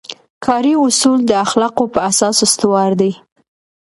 کاري اصول د اخلاقو په اساس استوار دي.